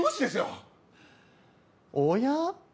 おや？